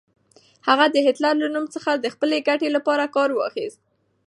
هغه د هېټلر له نوم څخه د خپلې ګټې لپاره کار واخيست.